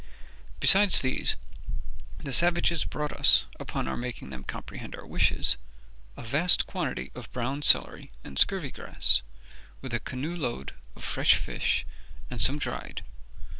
Besides these, the savages brought us, upon our making them comprehend our wishes, a vast quantity of brown celery and scurvy grass, with a canoe load of fresh fish and some dried.